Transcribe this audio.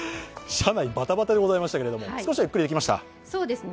社内バタバタでございましたけれども、少しはゆっくりできました？